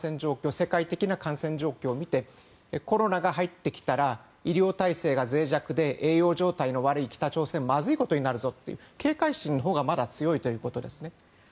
世界的な感染状況を見てコロナが入ってきたら医療体制がぜい弱で栄養環境が悪い北朝鮮はまずいことになるぞという警戒心のほうが強いということですね。